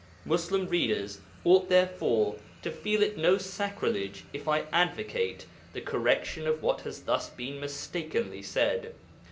Muslim readers ought therefore to feel it no sacrilege if I advocate the correction of what has thus been mistakenly said.